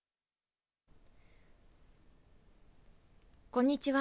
こんにちは。